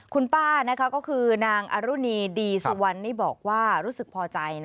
คุณป้าก็คือนางอรุณีดีสุวรรณนี่บอกว่ารู้สึกพอใจ